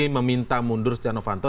meminta mundur satya novanto